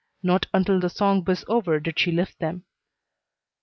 Not until the song was over did she lift them.